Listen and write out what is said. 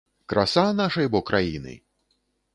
Краса нашай бо краіны!